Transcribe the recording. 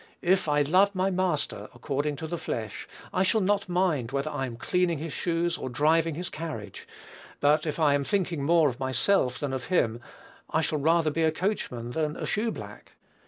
If I love my master, according to the flesh, I shall not mind whether I am cleaning his shoes or driving his carriage; but if I am thinking more of myself than of him, I shall rather be a coachman than a shoeblack.